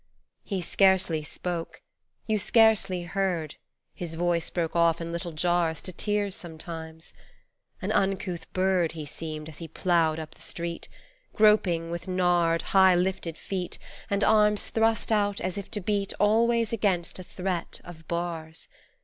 He scarcely spoke, you scarcely heard, His voice broke off in little jars To tears sometimes. An uncouth bird He seemed as he ploughed up the street, Groping, with knarred, high lifted feet And arms thrust out as if to beat Always against a threat of bars.